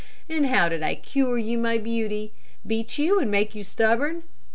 And how did I cure you, my beauty? Beat you and make you stubborn?